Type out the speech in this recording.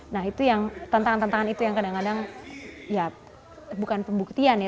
nah itu yang tantangan tantangan itu yang kadang kadang ya bukan pembuktian ya